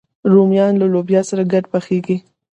رومیان له لوبیا سره ګډ پخېږي